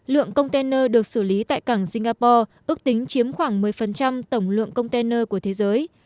lượng container được xử lý tại cảng singapore ước tính chiếm khoảng một mươi tổng lượng container của thế giới